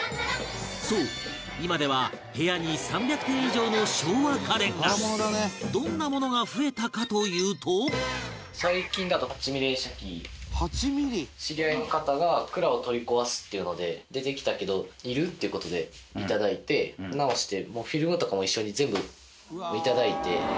そう、今では、部屋に３００点以上の昭和家電がどんなものが増えたかというと隆貴君：知り合いの方が蔵を取り壊すっていうので「出てきたけどいる？」っていう事で、いただいて直して、フィルムとかも一緒に全部いただいて。